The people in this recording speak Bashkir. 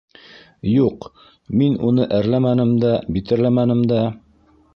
Юҡ, мин уны әрләмәнем дә, битәрләмәнем дә.